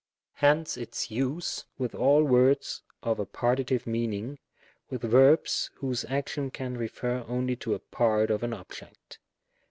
Hence its use with all words of a partitive meaning, with verbs whose action can refer only to a part of an object.